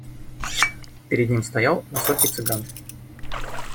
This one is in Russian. Пред ним стоял высокий цыган.